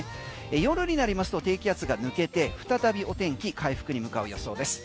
夜になりますと低気圧が抜けて再びお天気回復に向かう予想です。